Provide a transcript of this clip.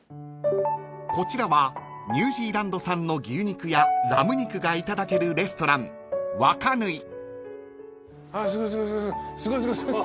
［こちらはニュージーランド産の牛肉やラム肉がいただけるレストラン］あっすごいすごいすごい。